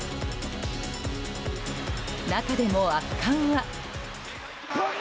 中でも圧巻は。